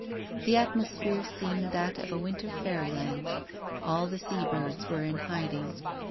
The at mosphere seemed that of a Avinter fairyland. All the sea birds were in hiding.